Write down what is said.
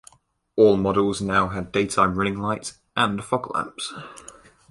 All models now had daytime running lights, and fog lamps.